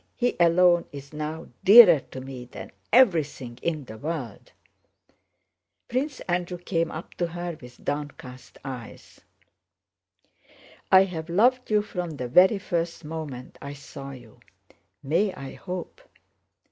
He alone is now dearer to me than everything in the world." Prince Andrew came up to her with downcast eyes. "I have loved you from the very first moment I saw you. May I hope?"